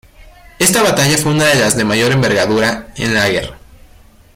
Esta batalla fue una de las de mayor envergadura en la guerra.